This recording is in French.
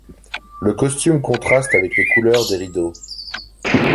Le costume contraste avec les couleurs des rideaux.